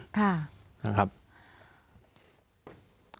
ต้องยอมรับการไปศึกษาจากคนอื่น